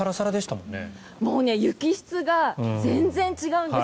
もう雪質が全然違うんです。